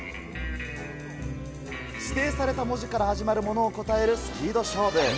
指定された文字から始まるものを答えるスピード勝負。